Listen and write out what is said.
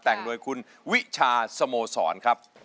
แต่งโดยคุณวิชาสโมสรครับ